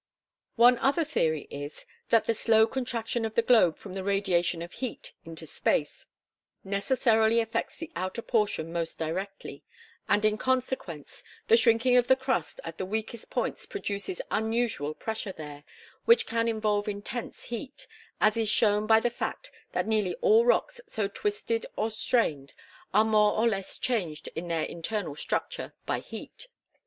One other theory is, that the slow contraction of the globe from the radiation of heat into space necessarily affects the outer portion most directly, and in consequence, the shrinking of the crust at the weakest points produces unusual pressure there, which can evolve intense heat, as is shown by the fact that nearly all rocks so twisted or strained are more or less changed in their internal structure by heat.